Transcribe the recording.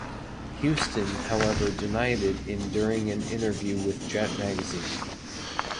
Houston, however denied it in during an interview with Jet Magazine.